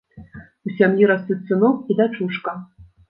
У сям'і растуць сынок і дачушка.